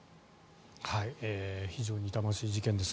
非常に痛ましい事件です。